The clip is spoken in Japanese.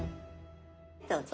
どうぞ。